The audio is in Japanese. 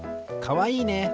かわいいね！